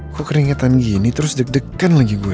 kok keringetan gini terus deg degan lagi gue